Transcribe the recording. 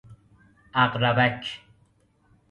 عقربک